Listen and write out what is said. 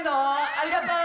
ありがとう！